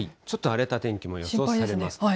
ちょっと荒れた天気も予想されます。